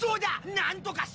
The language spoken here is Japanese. なんとかしろ！